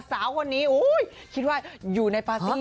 สาวคนนี้คิดว่าอยู่ในปาร์ตี้